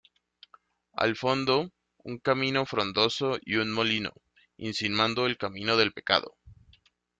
Al fondo, un camino frondoso y un molino, insinuando el camino del pecado.